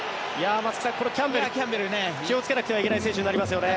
松木さん、このキャンベル気をつけなくてはいけない選手になりますよね。